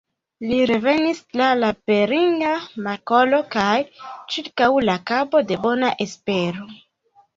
Li revenis tra la Beringa Markolo kaj ĉirkaŭ la Kabo de Bona Espero.